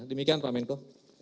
demikian pak menko